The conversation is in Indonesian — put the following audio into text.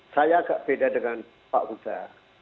saya agak beda dengan pak huda